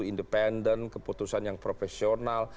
independen keputusan yang profesional